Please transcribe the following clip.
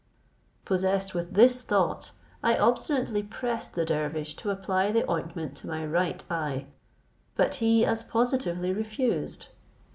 Possessed with this thought, I obstinately pressed the dervish to apply the ointment to my right eye; but he as positively refused.